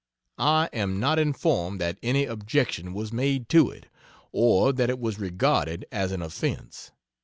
I am not informed that any objection was made to it, or that it was regarded as an offense.